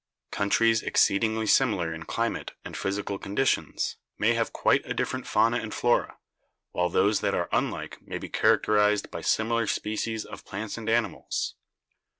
Countries exceed ingly similar in climate and physical conditions may have quite a different fauna and flora, while those that are unlike may be characterized by similar species of plants and animals.